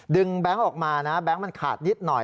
แบงค์ออกมานะแบงค์มันขาดนิดหน่อย